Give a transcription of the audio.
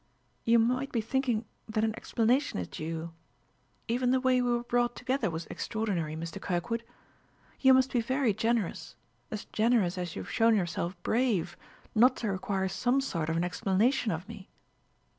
"You might be thinking that an explanation is due you. Even the way we were brought together was extraordinary, Mr. Kirkwood. You must be very generous, as generous as you have shown yourself brave, not to require some sort of an explanation of me."